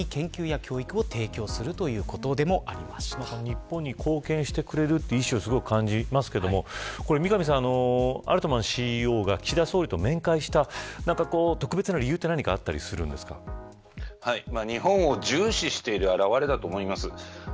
日本に貢献してくれるという意思をすごく感じますが三上さん、アルトマンＣＥＯが岸田総理と面会した日本を重視している表れだと思います。